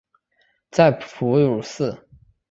在哺乳室内